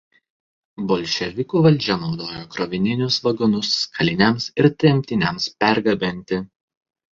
Bolševikų valdžia naudojo krovininius vagonus kaliniams ir tremtiniams pergabenti.